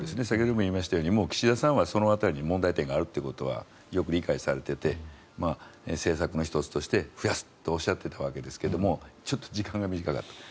先ほども言いましたように岸田さんはその辺りに問題点があるということはよく理解されていて政策の１つとして増やすとおっしゃっていたわけですがちょっと時間が短かった。